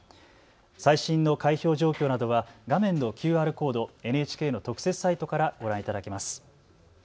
最新の開票状況などは画面のＱＲコード、ＮＨＫの特設サイトからご覧いただけます。